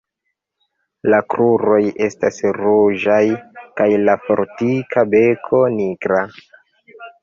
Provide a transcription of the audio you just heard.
La kruroj estas ruĝaj kaj la fortika beko nigra.